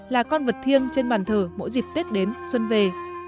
là con vật thiêng trên bàn thờ mỗi dịp tết đến xuân về